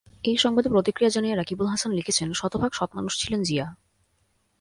এই সংবাদে প্রতিক্রিয়া জানিয়ে রাকিবুল হাসান লিখেছেন শতভাগ সৎ মানুষ ছিলেন জিয়া।